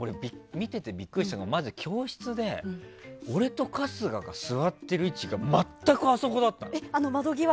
見ててビックリしたのがまず教室で俺と春日が座ってる位置が全くあそこだったの。